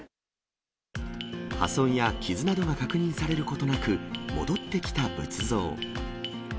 破損や傷などが確認されることなく、戻ってきた仏像。